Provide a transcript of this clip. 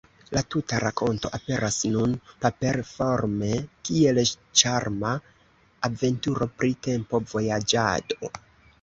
La tuta rakonto aperas nun paper-forme kiel ĉarma aventuro pri tempo-vojaĝado.